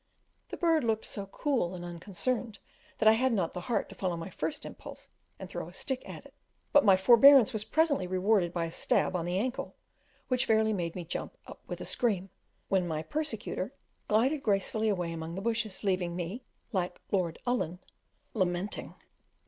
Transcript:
The bird looked so cool and unconcerned, that I had not the heart to follow my first impulse and throw my stick at it; but my forbearance was presently rewarded by a stab on the ankle, which fairly made me jump up with a scream, when my persecutor glided gracefully away among the bushes, leaving me, like Lord Ullin, "lamenting."